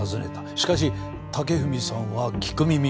しかし武文さんは聞く耳持たず。